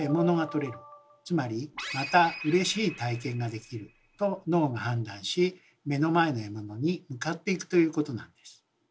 つまりまたうれしい体験ができると脳が判断し目の前の獲物に向かっていくということなんです。